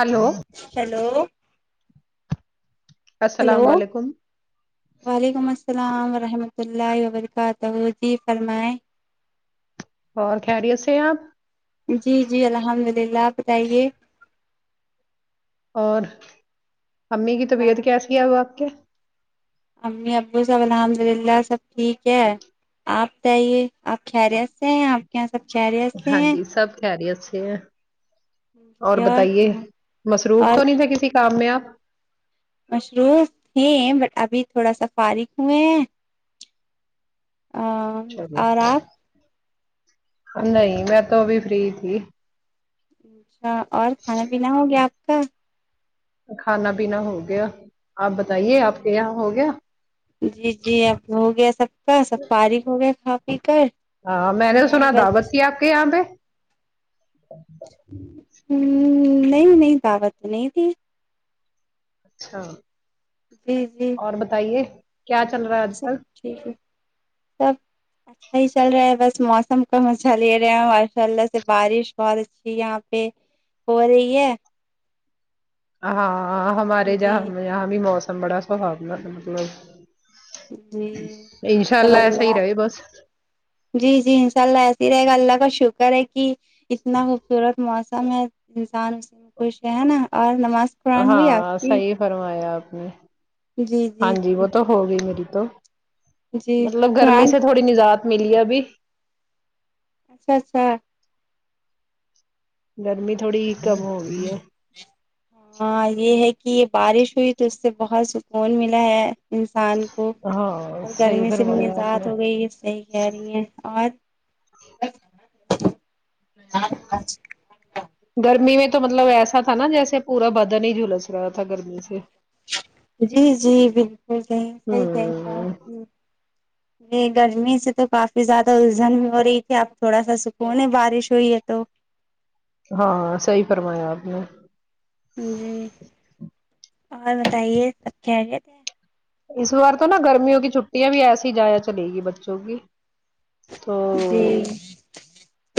Hello hello hello السلام علیکم وعلیکم السلام ورحمۃ اللہ وبرکاتہ جی فرماے اور خیریت سے ہیں آپ جی جی الحمد للہ آپ بتائیے اور امی کی ہاں طبیعت کیسی ہے اب آپ کے امی ابو سب الحمد للہ سب ٹھیک ہے آپ بتائیے آپ خیریت سے ہیں آپ کے یہاں سب خیریت سے ہاں ہیں جی سب خیریت سے ہیں اور بتائیے مصروف اور تو نہیں تھے کسی کام میں آپ مصروف تھے بٹ ابھی تھوڑا سا فارغ ہوئے ہیں چلو اور آپ نہیں میں تو ابھی فری تھی اچھا اور کھانا پینا ہو گیا آپ کا کھانا پینا ہو گیا آپ بتائیے آپ کے یہاں ہو گیا جی جی اب ہو گیا سب کا سب فارغ ہو گیے کھا پی کر ہاں میں نے نہیں سنا دعوت بس تھی آپ کے یہاں پہ نہیں نہیں دعوت تو نہیں تھی اچھا جی جی اور بتائیے کیا چل رہا ہے آج سب کل ٹھیک ہے سب اچھا ہی چل رہا ہے بس موسم مزا لے رہے ہیں ماشاء اللہ سے بارش بہت اچھی یہاں پہ ہو رہی ہے ہاں ہمارے ج جی یہاں بھی موسم بڑا سہاونا مطلب جی انشاء اللہ ایسے ہی رہے بس جی جی انشاء اللہ ایسے ہی رہے گا اللہ کا شکر ہے کی اتنا خوبصورت موسم ہے انسان اس خوش رہے نا اور نماز قرآن ہوئی آپ ہاں کی صحیح فرمایا اپ نے ہاں جی وہ تو ہو گئی میری تو جی مطلب گرمی قرآن سے تھوڑی نجات ملی ابھی اچھا اچھا گرمی تھوڑی کم ہو گئی ہے ہاں یہ ہے کہ یہ بارش ہوئی تو اس سے بہت سکون ملا ہے انسان کو ہاں اور صحیح گرمی سے بھی فرمایا آپ نزات نے ہو گئی ہے صحیح کہہ رہی ہیں آج گرمی میں تو مطلب ایسا تھا نا جیسے پورا بدن ہی جھلس رہا تھا گرمی سے جی جی بالکل صحیح صحیح کہیں ہوں رہی ہے اپ یہ گرمی سے تو کافی زیادہ الجھن ہو رہی تھی اب تھوڑا سا سکون ہے بارش ہوئی ہے تو ہاں صحیح فرمایا آپ نے جی اور بتائیے سب خیریت ہے اس بار تو نا گرمیوں کی چھٹیاں بھی ایسی جیا چلے گی بچوں کی تو جی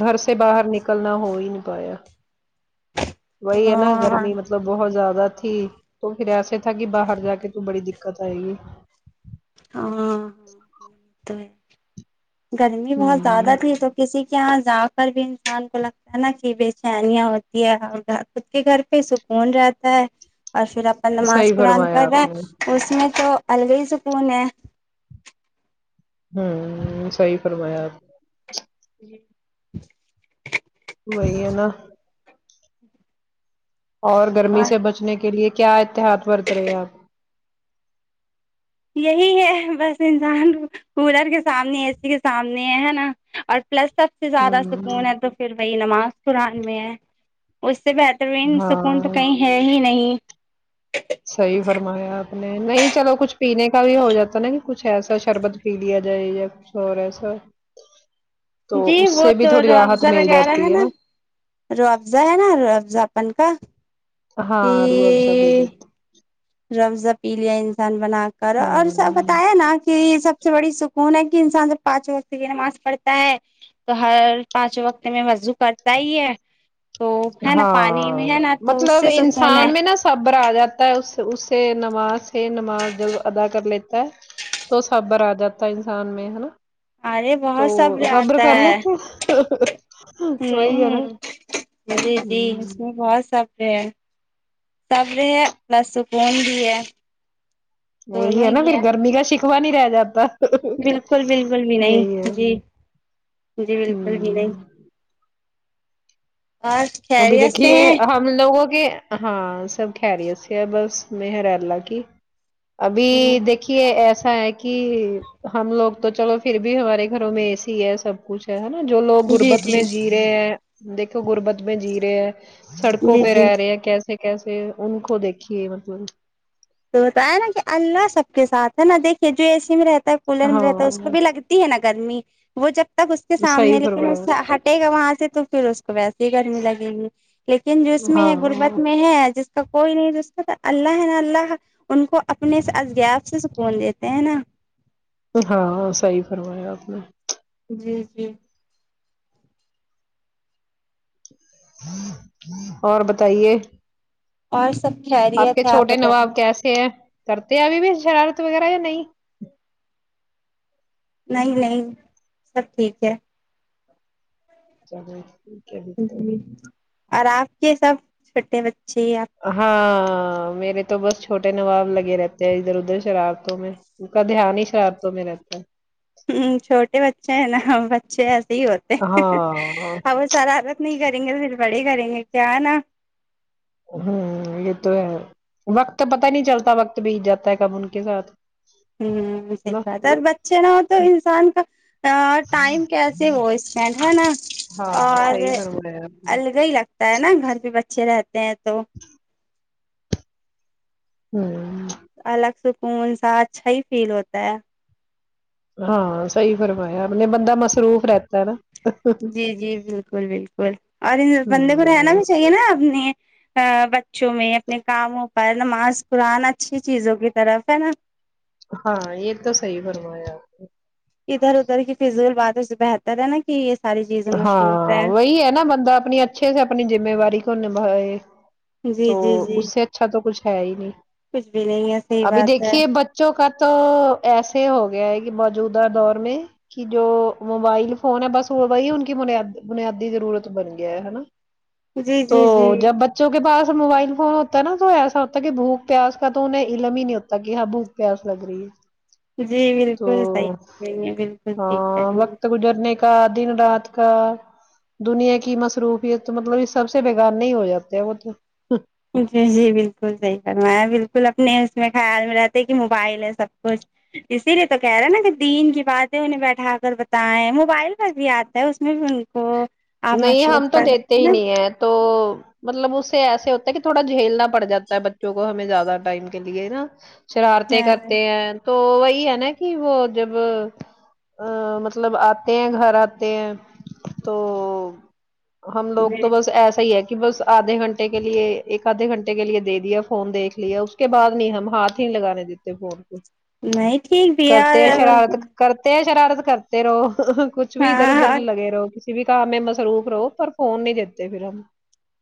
گھر سے باہر نکلنا ہو ہی نہیں پایا وہی ہے نا ہاں گرمی مطلب بہت زیادہ تھی تو پھر ایسے تھا کہ باہر جا کے تو بڑی د قت آئے گی ہاں ہاں تو ہے گرمی بہت زیادہ ہوں تھی تو کسی کے یہاں جا کر بھی انسان کو لگتا ہے نا کہ بےچینیاں ہوتی ہے اور گھر خود کے گھر پہ سکون رہتا ہے اور پھر اب نماز صحیح قرآن فرمایا کر آپ رہے نے اس میں تو الگی سکون ہے ہوں صحیح فرمایا آپ جی وہی ہے نا اور گرمی سے بچنے کے لیے کیا اتحاد برت رہے آپ یہی ہے بس انسان کولر کے سامنے اے سی کے سامنے ہے نا اور پلس سب ا س سے زیادہ ہوں سکون ہے تو پھر وہی نماز قرآن میں ہے اس سے بہتر نیند سکون تو ہاں کہیں ہے ہی نہیں صحیح فرمایا آپ نے نہیں چلو کچھ پینے کا بھی ہو جاتا نا کہ کچھ ایسا شربت پی لیا جائے جیا سو رہے سو جی وہ تو تھوڑی راحت روفزہ مل وغیرہ ہے جاتی نا رافضہ ہے نا رافضہ اپن کا ہاں رو رافضہ [unintelligible] رافضہ پی لیا انسان بنا کر اور سب ہوں تا ہے نا کہ سب سے بڑی سکون ہے کہ انسان جب پانچوں وقت کی نماز پڑتا ہے تو ہر پانچ وقت میں وضو کرتا ہی ہے تو ہے نا ہاں پانی میں ہے نا تو اس مطلب سے سکون ہے انسان میں نا صبر آ جاتا ہے اس اس سے نماز سے نماز جلد ادا کر لیتا ہے تو سبر آ جاتا انسان میں ہے نا ارے تو بہت سبر صبر آتا کر ہے لیتے ہیں، ہ وہی ہے نا جی جی اس ہ میں بہت سب سبر ہ پلس سکون بھی ہے دونوں وہی ہے نا ہی پھر گرمی کا شکوا نہیں رہ جاتا بالکل بالکل بھی نہیں یہی ہے جی جی بالکل بھی نہیں ہ اور ابھی خیریت سے دیکھیے ہے ہم لوگوں کے ہاں سب خیریت سے ہے بس میہر اللہ کی ابھی دیکھیے ایسا ہے کہ ہم لوگ تو چلو پھر بھی ہمارے گھروں میں اے سی ہے سب کچھ ہے نا جو لوگ جی جی غربت میں جی رہے ہیں دیکھو غربت میں جی رہے ہیں سڑکوں پہ جی رہ رہے ہیں کیسے کیسے ان کو دیکھیے مطلب تو بتایا نا کہ اللہ سب کے ساتھ ہے نا دیکھیے جو اسی میں رہتا ہے کولر میں رہتا ہے اس میں ہاں بھی لگتی ہے نا گرمی وہ جب تک اس کے سامنے صحیح لیکن فرمایا ہٹے گا وہاں سے تو پھر اس کو ویسے ہی گرمی لگے گی لیکن جو اس آپ، میں ہے غربت ہاں میں ہے جس کا کوئی نہیں اس کا تو اللہ ہے نا اللہ ان کو اپنے اذگیاب سے سکون دیتے ہیں نا ہاں صحیح فرمایا آپ نے جی جی اور بتائیے اور سب خیریت کے ہے آپ چھوٹے بتائیے نواب کیسے کرتے ہیں ابھی بھی شرارت وغیرہ یا نہیں نہیں نہیں سب ٹھیک ہے چلے گھی اور آپ کے سب چھوٹے بچے آپ ہاں میرے تو بس چھوٹے نواب لگے رہتے ہیں ادھر ادھر شرارتو میں ان کا دھیان ہی شرارتو میرے ادر ہ چھوٹے بچے ہیں نا بچے ایسے ہی ہوتے ہیں۔ ہاں ہاں وہ شرارت نہیں کریں گے تو پھر بڑے کریں گے کیانا ھمم یہ تو ہے وقت پتا نہیں چلتا وقت بیت جاتا ہے کب ان کے ساتھ ھمم صحیح بات ہے اور بچے نہ ہو تو انسان کا ٹائم کیسے وہ اسپینڈ ہے نا ہاں اور صحیح فرمایا آپ نے الگ ہی لگتا ہے نا گھر پہ بچے رہتے ہیں تو ھمم الگ سکون سا اچھا ہی فیل ہوتا ہے ہاں صحیح فرمایا میں نے بندہ مصروف رہتا ہے نا جی جی بالکل بالکل اور ان بندے کو رہنا ہوں بھی چاہیے نا اپنے بچوں میں اپنے کاموں پر نماز قرآن اچھی چیزوں کی طرف ہے نا ہاں یہ تو صحیح فرمایا ادھر ادھر کی فزیل باتوں سے بہ تر ہے نا کہ یہ ساری چیز ہاں وہی ہے نا بندا اپنی اچھے سے اپنی ذمیواری کو نبھائے جی تو جی جی اس سے اچھا تو کچھ ہے ہی نہیں کچھ بھی نہیں ہے صحیح ابھی بات ہے دیکھیے بچ چوکا تو ایسےہی ہو گیا ہے کہ موجودہ دور میں کہ جو موبائل فون ہے بس وہ وہی ان کی بنیاد بنیادی ضرورت بن گیا ہے نا جی جی جی تو جب بچوں ک پاس موبائل فون ہوتا ہے نا تو ایسا ہوتا کہ بھوک پیاس کا تو انہیں علم ہی نہیں ہوتا کہ ہاں بھوک پیاس لگ رہی ہے جی بالکل صحیح تو فرمائیں گے، بالکل ٹھیک ہے ہاں وقت گزرنے کا دن رات کا دنیا کی مصروفیت تو مطلب سب سے بگانے ہی ہو جاتے وہ تو جی جی بالکل صحیح فرمایا ہے بالکل اپنے اس میں خیال میں رہتے کہ موبائل ہے سب کچھ اسی لیے تو کہہ رہے ہیں نا کہ دین کی باتیں انہیں بیٹھا کر بتایں موبائل پر بھی آتا ہے اس میں بھی کو آپ نہیں ہم مصروف تو کر دیتے سکتے ہی نا نہیں ہے تو مطلب اس سے ایسے ہوتا ہے کہ تھوڑا جھیلنا پڑ جاتا ہے بچوں کو ہمیں زیادہ ٹائم کے لیے ہے نا شرارتیں ہاں کرتے ہیں تو وہی ہے نا کہ وہ جب مطلب آتے ہیں گھر آتے ہیں تو ہم لوگ جی تو بس ایسے صحیح ہے کہ بس آدھے گھنٹے کے لیے ایک آدھے گھنٹے کے لیے دے دیا فون دیکھ لیا کے بعد نہیں ہم ہاتھ ہی نہیں لگانے دیتے فون کو نہیں ٹھیک کرتے ہیں شرارت [unintelligible] کرتے ہیں شرارت کرتے رہو کچھ بھی ادھر ہاں ادھر اور لگے رہو کسی بھی کام میں مصروف رہو پر فون نہیں دیتے پھر ہم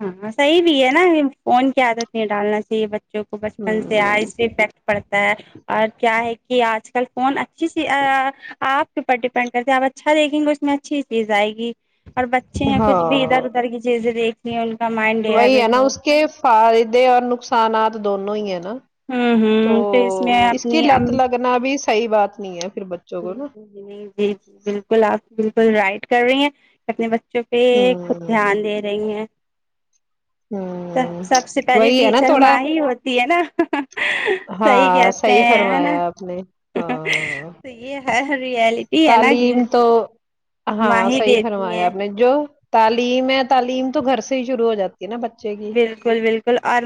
ہاں صحیح بھی ہے نا فون کی عادت نہیں ڈالنا چاہیے بچوں کو بچپن سے آئے ہوں افیکٹ پڑتا ہے اور کیا ہے کہ آج کل فون اچھی سی آپ کے اوپر ڈپینڈ کرتے آپ اچھا دیکھیں گے اس میں اچھی چیز آئے گی اور بچے ہیں کچھ ہاں بھی ادھر ادھر کی چیزیں دیکھتے ہو ان کا مائنڈ وہی ہے ڈائیورٹ ہو اس کے نا فائدے اور نقصانات دونوں ہی ہیں نا ہوں تو ہوں میں اس کی اپنی ام لت لگنا بھی صحیح بات نہیں ہے پھر بچے بالکل جی نہیں جی جی بالکل آپ بالکل رائٹ کر رہی ہیں اپنے بچوں پہ خود ہوں دھیان دے رہی ہیں ہوں س سب سے پہلے وہی ہے نا ٹیچر تھوڑا ماں ہی ہوتی ہے نا صحیح کہتے ہیں نا نہیں ہاں تو یہ ہے ریالٹی تعلیم تو ماں ہاں ہی صحیح دیتی فرمایا ہیں آپ نے جو تعلیم ہے تعلیم تو گھر سے ہی شروع ہو جاتی ہے نا بچ بالکل بالکل اور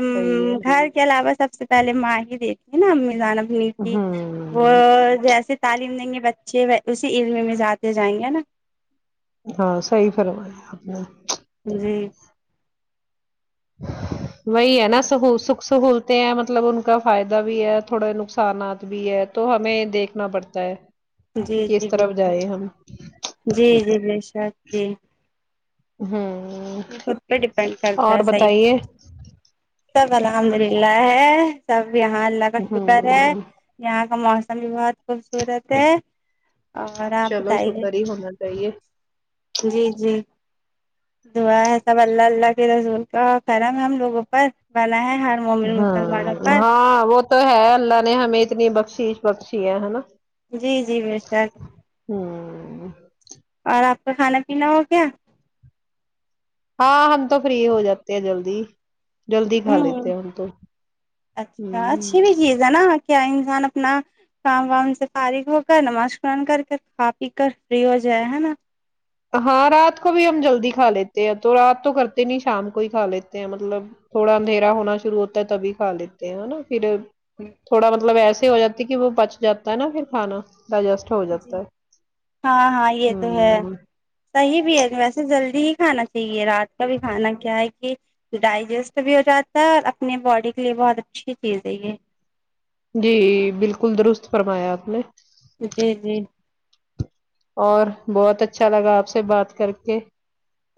ہے گھر کے علاوہ سب سے پہلے ماں ہی دیکھی [unintelligible] وہ ہوں جیسے تعلیم دیں گے بچے اسی علم میں جاتے جائیں گے نا ہاں صحیح فرمایا آپ نے جی وہی ہے نا س سکھ سہولتیں ہیں مطلب ان کا فائدہ بھی ہے تھوڑے نقصانات بھی ہے تو ہمیں دیکھنا پڑتا ہے کہ جی کس جی طرف بالکل جائیں ہم جی جی بیشک جی ہم ڈیپینڈ کرتا ہے صحیح سب الحمد للہ ہے سب یہاں اللہ کا شکر ہے ہوں یہاں کا موسم بھی بہت خوبصورت ہے اور آپ چلو بتائیے شکر ہی ہونا چاہیے جی جی دعا ہے سب اللہ اللہ کے رسول کا کرم ہم لوگوں پر بنا ہے مومن ہ مسلمانوں پر ہاں وہ تو ہے اللہ نے ہمیں اتنی بخشیش بخشی ہے ہے نا جی جی بےشک ہم اور آپ کا کھانا پینا ہو گیا ہاں ہم تو فری ہو جاتے ہیں جلدی جلدی کھا لیتے ہوں ہیں ہم تو اچھا اچھی بھی ہ چیز نا کیا انسان اپنا کام وام سے فارغ ہو کر نماز قرآن کر کے کھا پی کر فری ہو جائے ہے نا ہاں رات کو بھی ہم جلدی کھا لیتے ہیں تو رات تو کرتے نہیں شام کو ہی کھا لیتے ہیں مطلب تھوڑا اندھیرا ہونا شروع ہوتا ہے تبھی کھا لیتے ہینا پھر تھوڑا مطلب ایسے ہو جاتی کہ وہ بچ جاتا ہے نا پھر کھانا ڈ جس جی ہاں ہاں یہ تو ہے ہوں صحیح بھی ہے ویسے جلدی ہی کھانا چاہیے رات کا بھی کھانا کیا ہے کہ ڈائجسٹ بھی ہو جاتا ہے اور اپنی باڈی کے لیے بہت اچھی چیز ہے یہ جی بالکل درست فرمایا آپ نے جی جی اور بہت اچھا لگا آپ سے بات کر کے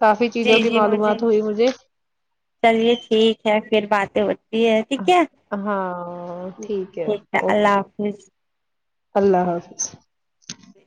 کافی چیزوں جی کی جی مجھے معلومات ہوئی مجھے چلیے ٹھیک ہے پھر باتیں ہو تی ہے ٹھیک ہے ٹھیک ہے اللہ حافظ اللہ حافظ ج